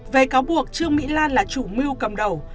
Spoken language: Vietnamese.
về cáo buộc trương mỹ lan là chủ mưu cầm đầu